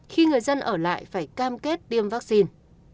khi người dân ở lại phải cam kết tiêm vaccine